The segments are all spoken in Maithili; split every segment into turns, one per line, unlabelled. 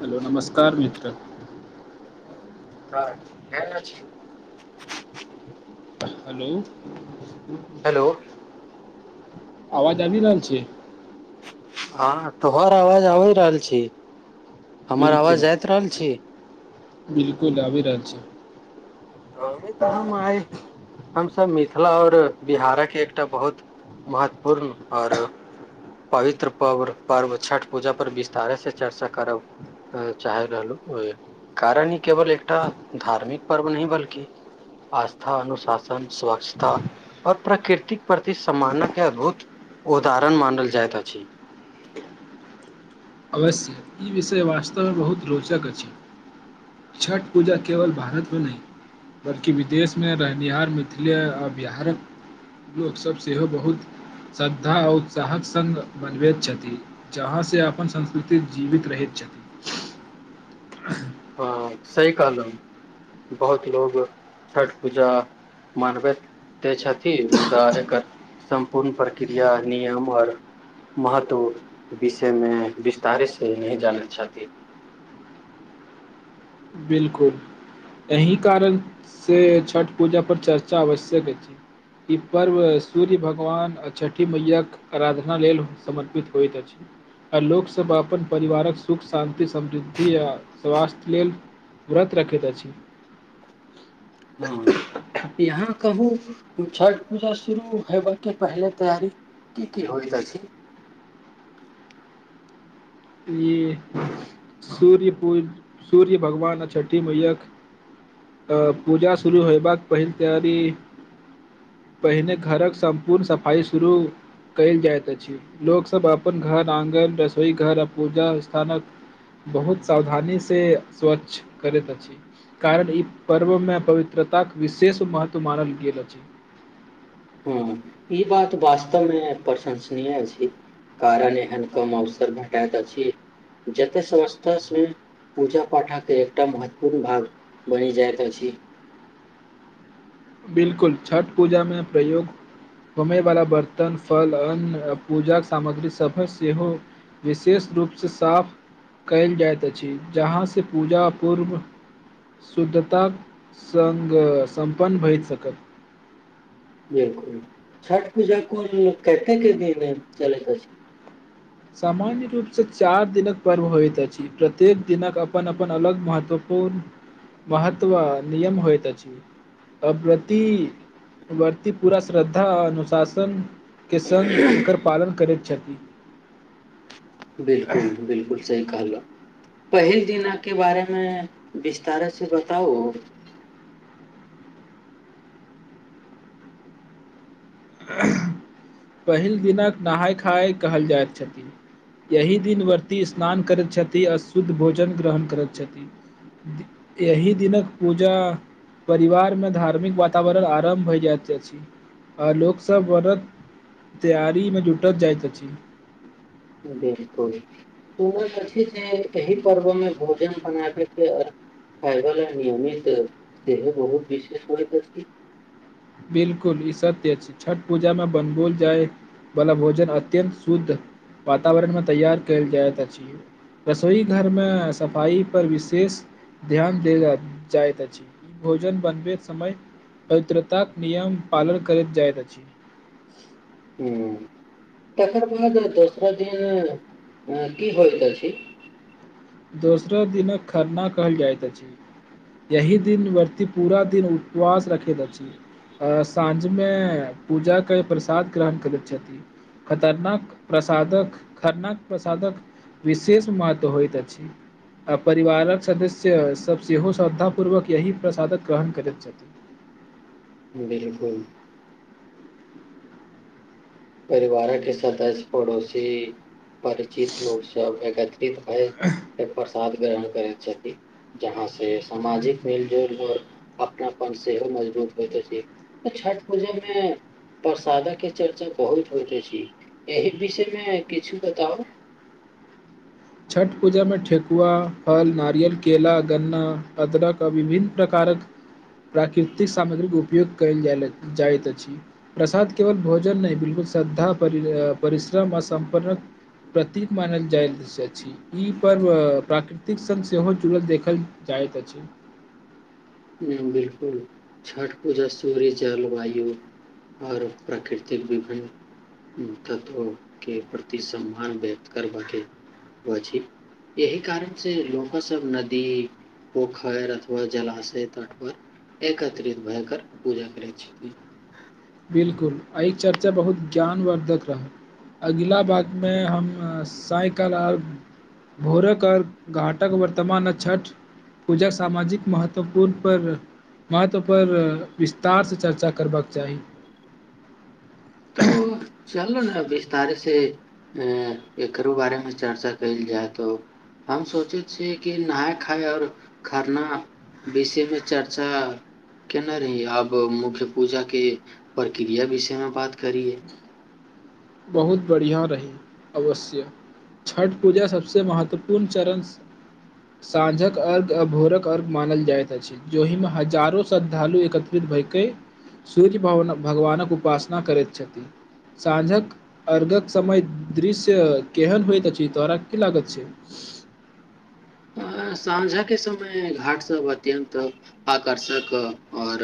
हेलो नमस्कार। उ कार मित्र।
त केन छी।
हेलो। ह।
हेलो
आवाज आबि रहल छै।
हँ तोहर आवाज आबि रहल छी। हमर आवाज
बिलकुल
जाइत रहल छी
बिलकुल आ रहल छै।
तऽ अभी तऽ हममे आइ हमसभ मिथिला आओर बिहारके एकटा बहुत महत्वपूर्ण आओर पवित्र प पर्व छठ पूजा पर विस्तारे से चर्चा करब चाहैत रहलहुँ कारण ई केवल एकटा धार्मिक पर्व न बल्कि आस्था अनुशासन स्वच्छता आऔर प्रकृतिक प्रति सम्मान के अद्भुत उदरण मानल जाइत अछि।
अवश्य ई विषय वास्तवमे बहुत रोचक अछि छठ पूजा केवल भारतमे नहि बल्कि विदेशमे रहनिहार मिथिले आ बिहारक लोकसभ सेहो बहुत श्रद्धा आ उत्साहक स्ग बनबैत छथि जहाँ से अपन संस्कृति जीवित रहैत छथि।
ह सही कलम बहुत लोको छठि पूजा मानबैते छथिन मुदा एकर सम्पूर्ण प्रक्रिया नियम आओर महत्व विषयमे विस्तारेसँ नहिह जानैत छथि।
बिलकुल एहि कारण से छठ पूजा पर चर्चा आवश्यक अछि ई पर्व सूर्य भगवान आ छठि मैयाक आराधना लेल समर्पित होइत अछि आ लोकसभ अपन परिवारक सुख शान्ति समृद्धि आ स्वास्थ्य लेल व्रत राखैत छी।
हँ यहाँ कहू छठ पूजा शुरू होेबा के पहिले तैयारी की की होइत अछि।
सू्य पू सूर्य भगवान आ छठी मैयाक अ पूजा शुरू होयबाक पहिल तैयारी पहिने घरक सम्पूर्ण सफाइ शुरू कयल जाइत अछि लोक सब अपन घर आङगन रसोई घर पूजा स्थानक बहुत सावधानी से स्वच्छ करैत अछि कारण ई पर्व मे पवित्रताक विशेष महत्व मानल गेल अछि।
हँ ई बात वास्तवमे प्रशंसनीय अछि कारण एहन कम अवसर भेटाइत अछि जतय संसथमे पूजा पाठकके एकटा महत्वपूर्ण भाग बनि जाइत अछि।
बिल्कुल छठ पूजामे प्रयोग होयवला बर्तन फल अन्न आ पूजाक सामग्री सभ सेहो विशेष रूपसँ साफ कयल जाइत अछि जहाँसँ पूजा पूर्व शुद्धताक सङ्ग सम्पन्न होइत सकत।
बिलकुल छठ पूजा कोन कते क दिन चल त छै।
सामान्य रूप से चार दिनक पर्व होइत अछि प्रत्येक दिनक अपन अपन अलग महत्वपूर्ण महत्व नियम होइत अछि अवति व्रती पूरा श्रद्धा अनुशासन के सङ्ग एकर पालन करैत छथि।
बिलकुल बिलकुल सही कहल। पहिल दििन के बारेमे विस्तार से बताउ।
पहिल दिनक नहााय खाय कहल जाइत छथि यह दिन व्रती स्नान करैत छथिन आ शुद्ध भोजन ग्रहण करैत छथि एहिी दिनक पूजा परिवारमे धार्मिक वातावरण आरम्भ भए जाइत अछि। आ लोकसभ व्रत तैआारीमे जुटल जाइत अछि।
बिलकुल सुनैत छी जे एहि पर्वमे भोजन बनाबैके खायव ल नियमित से बहुत विशेष होइत।
बिलकुल ई सत्य अछि छठ पूजा मे बनबल जाय वालला भोजन अत्यंत शुद्ध वातावरण मे तैयार कयल जाइत अछि रसोई घर मे सफाई पर विशेष ध्यान देल जाइत अछि भोजन बनबैत समय पवित्रता निियम पालन करैत जायत छै।
हुँ तकर बाद दोसरा दिन अ की होत छी।
दोसरा दिनक खरना कहल जाइत अछि यही दिन व्रती पूरा दिन उपवास रखैत अछि आ साँझ मे पूजा के प्रसाद ग्रहण करैत छथि खतरनाक प्रसादक खरनाक प्रसादक विशेष महत्व होइत अछि। आ परिवारक सदस्यसभ सेहो श्रद्धापूर्वक यही प्रसादक ग्रहण करैत छथिन।
बिलकुल। परिवार के सदस्य पड़ोसी परिचित लोकोग सब एग फै फ प्रसाद ग्रहण करै छथि जहाँ से सामाजिक मिल जुल अपनापन सेहो मजबूत होइत त छठ पूजा मे प्रसाद के चर्चा बहुत होइत छी एहि विषयमे किछु बताउ।
छठ पूजामे ठेकुआ, फल, नारियल, केला, गन्ना, अदरक आ विभिन्न प्रकारक प्राकृतिक सामग्रीक उपयोग कयल जैल जाइत अछि। प्रसाद केवल भोजन नहि बिलकुल श्रद्धा, परिश्रम आ सम्पन्नक प्रतीक मानल जाइत छै। जी, ई पर्व प्राकृतिक सङ्ग सेहो जुड़ल देखल जाइत अछि।
बिलकुल छठ पूजा सूर्य, जल, वायु आऔर प्रकृतिक विभिन्न तत्व के प्रति सम्मान व्यक्त करबाके हो छै एही कारण से लोको सब नदी, पोखरि अथवा जलाशय तट पर एकत्रित भए कर पूजा करैत छथिन।
बिलकुल, एहि चर्चा बहुत ज्ञानवर्द्धक रहल। अगिला बातमें हम सायंकाल आ भोरक अर्घ्य आर घाटक वर्तमान आ छठि पूजा सामाजिक महत्वपूर्ण पर महत्वपर विस्तारसँ चर्चा करबाक चाही।
तो
[inaudible]
चलू ने बीस्तारीख। से अ एकरो बारे मे चर्चा कयल जाय तो हम सोचे छियै कि नहाय खाय आऔर खरना विषय मे चर्चा केने रहीयै। आब मुख्य पूजा के प्रक्रिया विषय मे बात करियै।
बहुत बढ़िआ रही। अवश्य, छठ पूजा सबस महत्वपूर्ण चरण साँझक अर्घ्य आ भोरक अर्घ्य मानल जाइत अछि जहिमे हजारो श्रद्धालु एकत्रित भए केऽ सूर्य भवन भगवानक उपासना करैत छथि। साँझक अर्घ्यक समय दृश्य केहन होइत अछि, तोहरा के की लागत छै?
अ साँझ के समय घाटसभ अत्यन्त आकर्षक आओर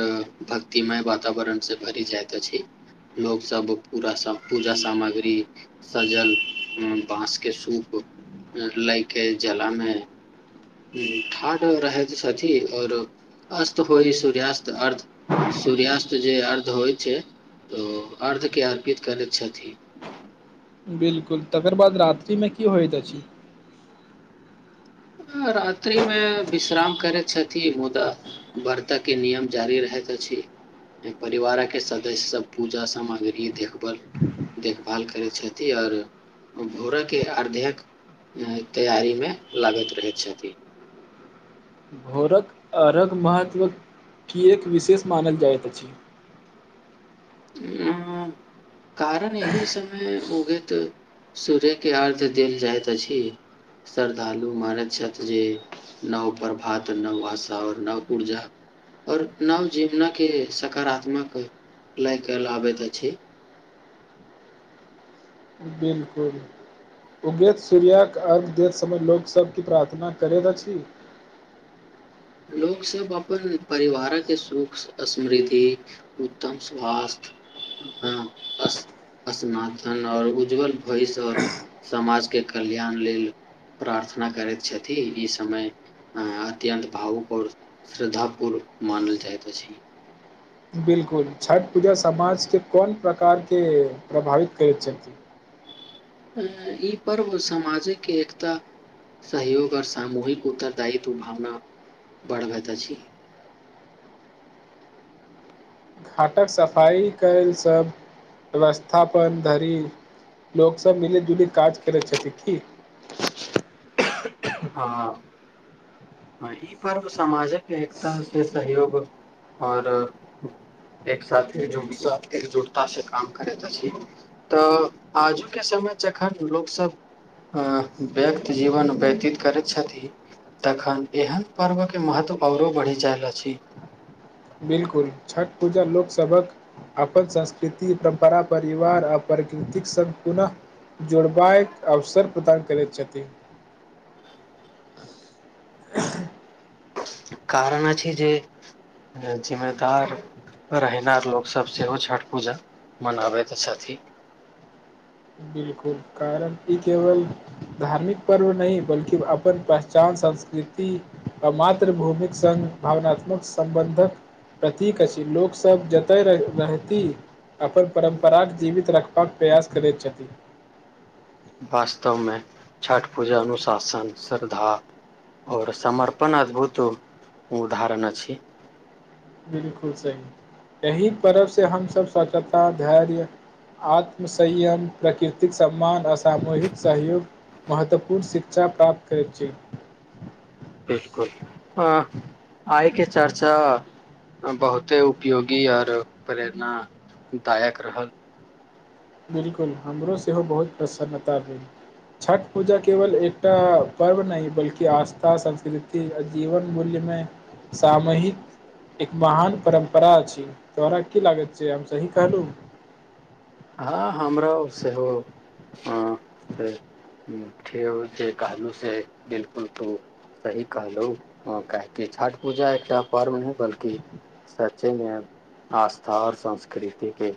भक्तिमय वातावरण से भरि जाइत अछि। लोकसभ पूरा सम पूजा सामग्री, सजल बाँस के सूप लए के जलामे ठाढ़ रहैत छथि आओर अस्त होइ सूर्यास्त अर्ध सूर्यास्त जे अर्ध होइत छै तऽ अर्धके अर्पित करैत छथि।
बिल्कुल तकर बाद रात्रिमे की होइत अछि?
आ रातिमे विश्राम करैत छथि मुदा व्रत के नियम जारी रहैत अछि। परिवार के सदस्य सब पूजा सामग्री देखभाल देखभाल करैत छथि आओर भोरे के अर्ध्यक तैयारी मे लागैत रहैत छथि।
अरघ महत्व किएक विशेष मानल जाइत अछि?
अं कारण एही समय उगैत सूर्य के अर्ध्य देल जाइत अछि। श्रद्धालु मानैत छथि जे नव प्रभात, नव आशा आओर नव ऊर्जा आओर नव जीवनक के सकारात्मक लय कयल आबैत अछि।
बिलकुल, उगैत सूर्यके अर्घ्य देैत समय लोक सब की प्रार्थना करैत अछि?
लोक सब अपन परिवार के सुख, समृद्धि, उत्तम स्वास्थ्य अ अस् अस्नातन आओर उज्ज्वल भविष्य आओर समाज के कल्याण लेल प्रार्थना करैत छथि। ई समय अत्यन्त भावुक आओर श्रद्धापूर्व मानल जाइत अछि।
बिलकुल, छठ पूजा समाजके कोन प्रकारके प्रभावित करैत छथिन?
ई पर्व सामाजिक एकता, सहयोग आओर सामूहिक उत्तरदायित्व भावना बढ़बैत अछि।
घाटक सफाई कयल सब व्यवस्थापन धरि लोक सब मिली जुली काज करैत छथि की?
हं, अं ई पर्व समाजक एकता से सहयोग आओर एक साथे जुटस एकजुटता से काम करैत अछि तऽ आजुके समय जखन लोक सब अं व्यक्त जीवन व्यतीत करैत छथि तखन एहन पर्वके महत्व आओरो बढ़ि जैल अछि।
बिलकुल, छठ पूजा लोकसभक अपन संस्कृति, परम्परा, परिवार आ प्रकृतिक सङ्ग पुनः जोड़बायक अवसर प्रदान करैत छथिन।
कारण अछि जे जिम्मेदार रहैनार लोकसभ सेहो छठि पूजा मनाबैत छथि।
बिलकुल, कारण ई केवल धार्मिक पर्व नहि बल्कि अपन पहचान, संस्कृति आ मातृ भूमिक सङ्ग भावनात्मक सम्बन्धक प्रतीक अछि। लोक सब जतय रहती अपन परम्पराक जीवित रख बक प्रयास करैत छथि।
वास्तवमें छठ पूजा अनुशासन, श्रद्धा आओर समर्पण अद्भुत उदाहरण अछि।
बिलकुल सही एहि पर्वसँ हमसभ स्वच्छता, धैर्य, आत्मसंयम, प्रकृतिक सम्मान आ सामूहिक सहयोग महत्वपूर्ण शिक्षा प्राप्त करैत छी।
बिलकुल। अं आइके चर्चा बहुते उपयोगी आर प्रेरण दायक रहल।
बिलकुल हमरो सेहो बहुत प्रसन्नता भेल। छठ पूजा केवल एकटा पर्व नहि बल्कि आस्था, संस्कृति आ जीवन मूल्यमे सामूहिक एक महान परम्परा अछि। तोहरा की लागैत छै हम सही कहलु।
हँ हमरो सेहो अं जे ठीउ जे कहलहुँ से बिलकुल तू सही कहलु काहेकि छठ पूजा एकटा पर्व नहि बल्कि सचेमे आस्था आओर संस्कृतिके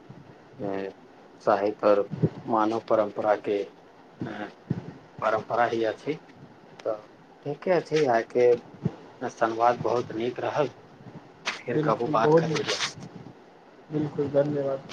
ए [unintelligible] मानव परम्पराके परम्परा ही अछि तऽ ठीके अछि आयके संवाद बहुत नीक रहल फेर कबो
बिलकुल
बात
बहुत
करबै
बिलकुल धन्यवाद।